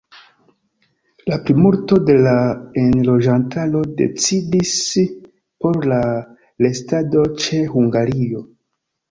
La plimulto de la enloĝantaro decidis por la restado ĉe Hungario.